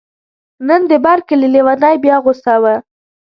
نن د بر کلي لیونی بیا غوصه و.